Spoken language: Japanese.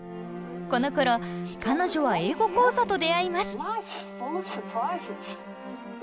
このころ彼女は「英語講座」と出会います。